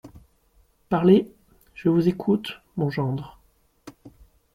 Parlez… je vous écoute… mon gendre…